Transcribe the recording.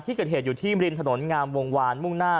ที่เกิดเหตุอยู่ที่ริมถนนงามวงวานมุ่งหน้า